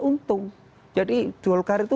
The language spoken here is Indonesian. untung jadi golkar itu